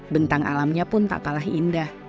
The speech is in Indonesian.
bentang alamnya pun tak kalah indah